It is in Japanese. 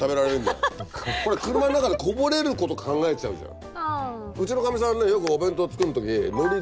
これ車の中でこぼれること考えちゃうじゃん。